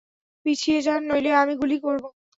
পিছিয়ে যান, নইলে আমি গুলি করব।